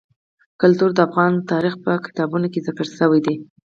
کلتور د افغان تاریخ په کتابونو کې ذکر شوی دي.